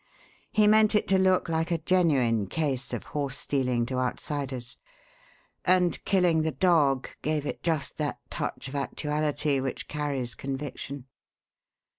He meant it to look like a genuine case of horse stealing to outsiders, and killing the dog gave it just that touch of actuality which carries conviction.